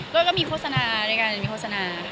แล้วก็มีโฆษณาด้วยกันมีโฆษณาค่ะ